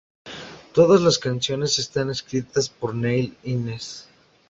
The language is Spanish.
Todas las canciones están escritas por Neil Innes.